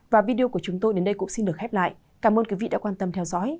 và video của chúng tôi đến đây cũng xin được khép lại cảm ơn quý vị đã quan tâm theo dõi